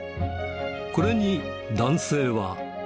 これに、男性は。